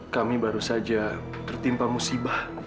kami baru saja tertimpa musibah